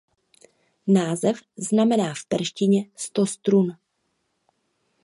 Název znamená v perštině „sto strun“.